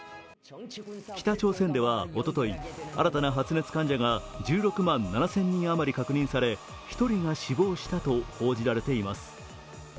北朝鮮ではおととい、新たな発熱患者が１６万７０００人余り確認され、１人が死亡したと報じられています